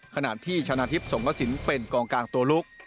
ขณะที่ชนะทิพย์สงกระสินเป็นกองกลางตัวลุก